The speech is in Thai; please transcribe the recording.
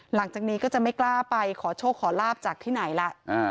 หลังจากนี้ก็จะไม่กล้าไปขอโชคขอลาบจากที่ไหนล่ะ